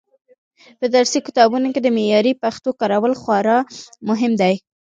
په درسي کتابونو کې د معیاري پښتو کارول خورا مهم دي.